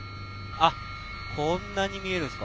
あっ、こんなに見えるんですか。